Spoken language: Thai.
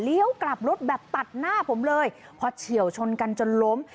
เลี้ยวกลับรถแบบตัดหน้าผมเลยเพราะเฉียวชนกันจนล้ม